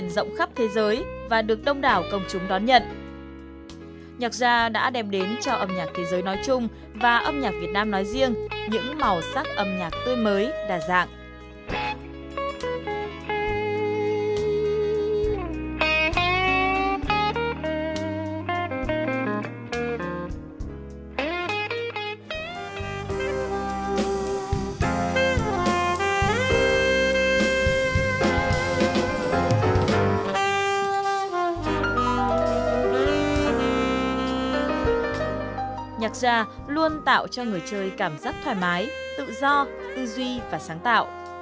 nhạc gia luôn tạo cho người chơi cảm giác thoải mái tự do tư duy và sáng tạo